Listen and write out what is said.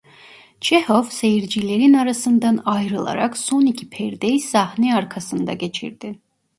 Çehov seyircilerin arasından ayrılarak son iki perdeyi sahne arkasında geçirdi.